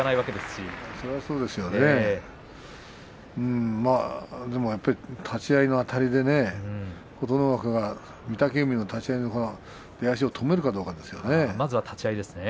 ただ立ち合いのあたりでね琴ノ若が御嶽海の立ち合い出足を止めるかどうかですね。